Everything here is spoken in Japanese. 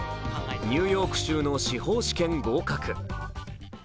ニューヨーク州の司法試験合格。